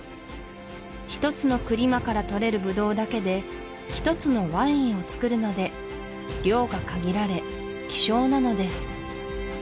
一つのクリマからとれるブドウだけで一つのワインをつくるので量が限られ希少なのです